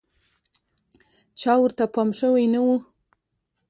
چا ورته پام شوی نه و.